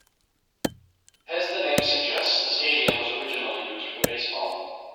As the name suggests, the stadium was originally used for baseball.